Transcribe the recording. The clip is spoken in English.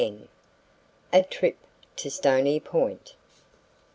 A TRIP TO STONY POINT.